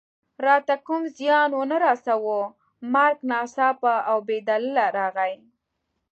راته کوم زیان و نه رساوه، مرګ ناڅاپه او بې دلیله راغی.